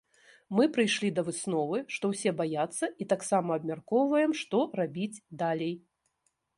Мы прыйшлі да высновы, што ўсе баяцца і таксама абмяркоўваем, што рабіць далей.